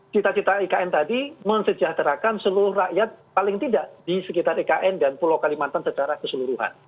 cita cita ikn tadi mensejahterakan seluruh rakyat paling tidak di sekitar ikn dan pulau kalimantan secara keseluruhan